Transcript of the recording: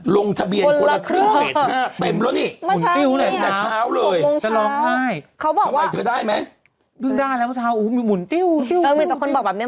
ลงทะเบียนคนละครึ่งเฟส๕เต็มแล้วนี่